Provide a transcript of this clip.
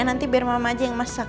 nanti biar mama aja yang masak